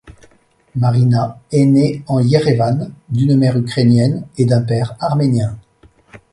Marina est née en Yerevan d’une mère ukrainienne et d’un père arménien.